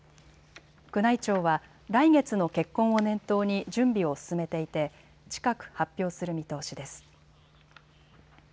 宮内庁は来月の結婚を念頭に準備を進めていて近く発表する見通しです。